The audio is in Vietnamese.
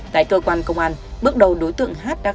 tại cơ quan công an bước đầu đối tượng h m n